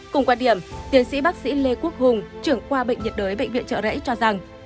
cùng quan điểm tiến sĩ bác sĩ lê quốc hùng trưởng khoa bệnh nhiệt đới bệnh viện trợ rẫy cho rằng